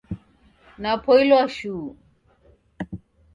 Napoilwa shuu.